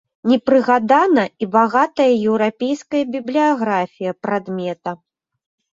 Не прыгадана і багатая еўрапейская бібліяграфія прадмета.